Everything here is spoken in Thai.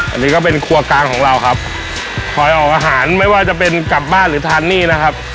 อันนี้ก็เป็นครัวกลางของเราครับคอยออกอาหารไม่ว่าจะเป็นกลับบ้านหรือทานหนี้นะครับ